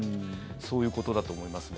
そういうことだと思いますね。